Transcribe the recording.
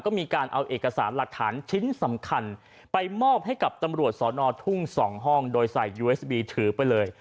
ก็มีการเอาเอกสารหลักฐานชิ้นสำคัญไปมอบให้กับตำรวจสอนอทุ่ง๒ห้องโดยใส่ยูเอสบีถือไปเลย